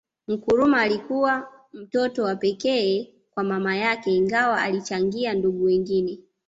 Nkurumah alikuwa mtoto wa pekee kwa mama yake Ingawa alichangia ndugu wengine